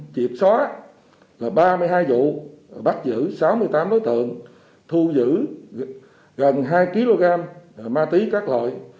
kiệt xóa ba mươi hai vụ bắt giữ sáu mươi tám đối tượng thu giữ gần hai kg ma túy các loại